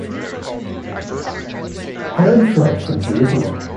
Herod fled from Jerusalem.